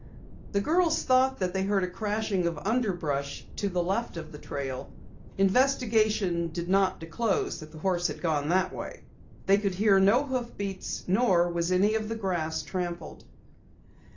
The girls thought that they heard a crashing of underbrush to the left of the trail. Investigation did not disclose that the horse had gone that way. They could hear no hoofbeats, nor was any of the grass trampled.